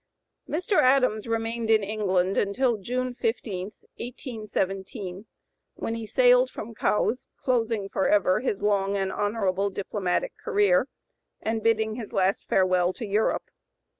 Mr. Adams remained in England until June 15, 1817, when he sailed from Cowes, closing forever his long and honorable diplomatic career, and bidding his last farewell to Europe.